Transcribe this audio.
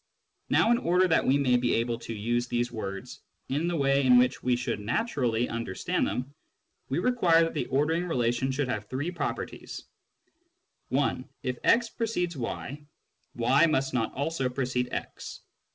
Now, in order that we may be able to use these words in the way in which we should naturally understand them, we require that the ordering relation should have three properties :— (1) If x precedes y, y must not also precede x.